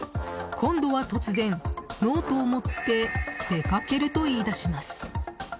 今度は突然、ノートを持って出かけると言い出します。